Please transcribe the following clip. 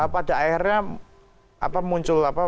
pada akhirnya muncul apa